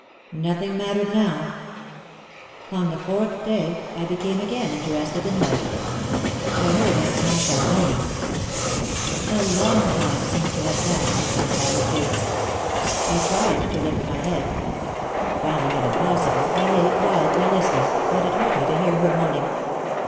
Nothing mattered now. On the ALL DAY WE SAT OR WALKED ABOUT IN THE SUN. OUT OF THE SHADOW 63 fourth day, I became again interested in life. I heard Aunt Masha moaning. A long time seemed to have passed since I saw her face. I tried to lift my head. Finding it impossible, I lay quietly listening, but it hurt me to hear her moaning.